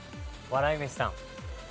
笑い飯さん。